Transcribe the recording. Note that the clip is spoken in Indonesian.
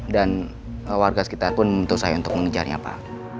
dan warga sekitarpun memutus saya untuk mengejarnya pak